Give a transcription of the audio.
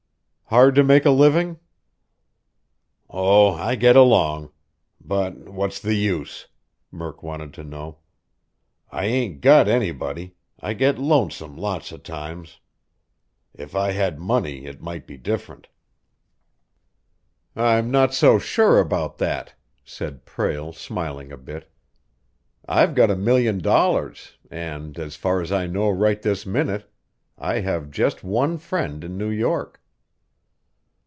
"Hard to make a living?" "Oh, I get along. But, what's the use?" Murk wanted to know. "I ain't got anybody I get lonesome lots of times. If I had money, it might be different." "I'm not so sure about that," said Prale, smiling a bit. "I've got a million dollars, and, as far as I know right this minute, I have just one friend in New York."